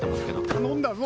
頼んだぞ！